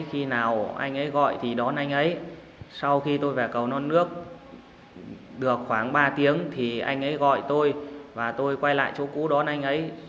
khi nào anh ấy gọi thì đón anh ấy sau khi tôi về cầu non nước được khoảng ba tiếng thì anh ấy gọi tôi và tôi quay lại chỗ cũ đón anh ấy